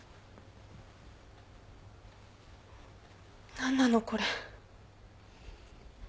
何なのこれ？